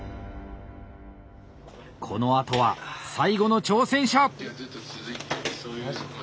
このあとは最後の挑戦者。